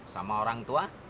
sama orang tua